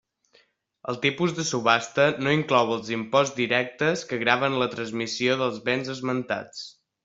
El tipus de subhasta no inclou els imposts indirectes que graven la transmissió dels béns esmentats.